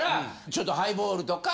・ちょっとハイボールとか。